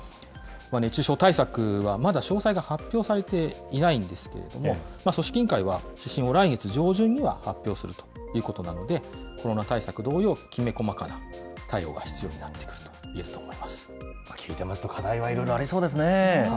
熱中症対策はまだ詳細が発表されていないんですけれども、組織委員会は、指針を来月上旬には発表するということなんで、コロナ対策同様、きめこまかな対応が必要になってくると思います聞いてますと、課題はいろいろありそうですね。